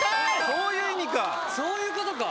そういうことか！